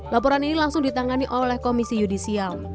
laporan ini langsung ditangani oleh komisi yudisial